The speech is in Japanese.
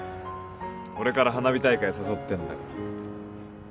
俺から花火大会誘ってんだから。